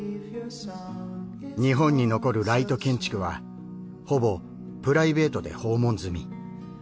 日本に残るライト建築はほぼプライベートで訪問済み。